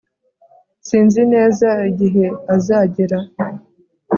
sinzi neza igihe azagera